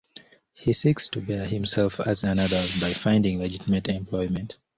He seeks to better himself as an adult by finding legitimate employment.